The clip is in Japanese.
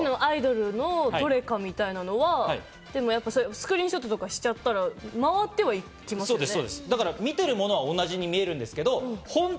アイドルのトレカみたいなのはスクリーンショットとかしちゃったら回っては行きますよね。